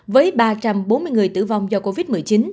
với ba trăm bốn mươi người tử vong do covid một mươi chín